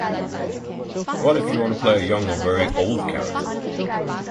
What if you play a young or very old character?